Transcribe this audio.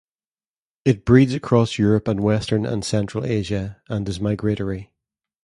It breeds across Europe and western and central Asia and is migratory.